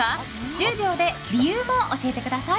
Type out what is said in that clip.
１０秒で理由も教えてください。